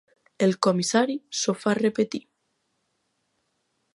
El comissari s'ho fa repetir.